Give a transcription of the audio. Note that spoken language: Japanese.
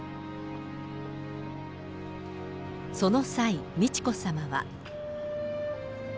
その際、美智子さまは。